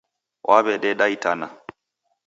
Waw'ededa itana